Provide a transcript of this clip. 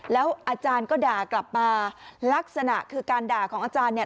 แล้วอาจารย์ก็ด่ากลับมาลักษณะคือการด่าของอาจารย์เนี่ย